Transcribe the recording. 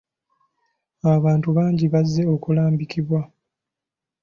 Abantu bangi bazze okulambikibwa.